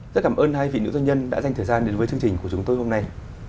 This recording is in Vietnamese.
rất cảm ơn hai vị nữ doanh nhân đã dành thời gian đến với chương trình của chúng tôi hôm nay